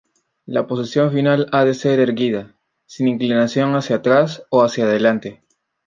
La posición final ha de ser erguida, sin inclinación hacia atrás o hacia delante.